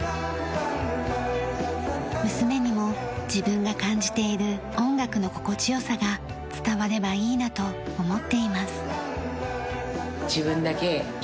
娘にも自分が感じている音楽の心地良さが伝わればいいなと思っています。